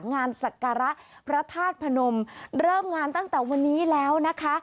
สักการะพระธาตุพนมเริ่มงานตั้งแต่วันนี้แล้วนะคะ